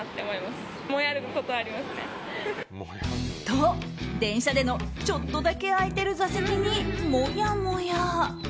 と電車での、ちょっとだけ空いている座席にもやもや。